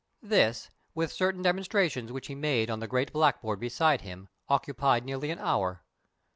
This, with certain demonstrations which he made on the great black board beside him, occupied nearly an hour.